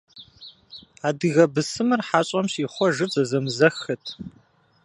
Адыгэ бысымыр хьэщӀэм щихъуэжыр зэзэмызэххэт.